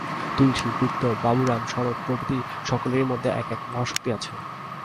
তুলসী, গুপ্ত, বাবুরাম, শরৎ প্রভৃতি সকলের মধ্যেই এক এক মহাশক্তি আছে।